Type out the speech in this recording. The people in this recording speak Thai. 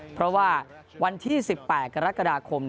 เพราะว่าวันที่๑๘กรกฎาคม